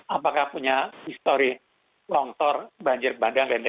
apakah punya histori long tour banjir badan dll